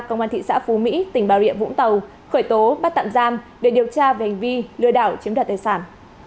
công an thị xã phú mỹ tỉnh bà rịa vũng tàu khởi tố bắt tạm giam để điều tra về hành vi lừa đảo chiếm đoạt tài sản